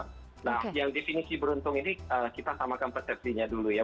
nah yang definisi beruntung ini kita samakan persepsinya dulu ya